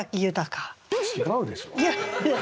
違うでしょ？